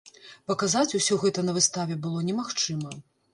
Паказаць усё гэта на выставе было немагчыма.